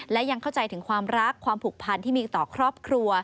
และยังเข้าใจถึงความรักความผูกพันที่มีต่อครอบครัว